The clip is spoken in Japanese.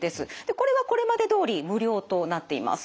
これはこれまでどおり無料となっています。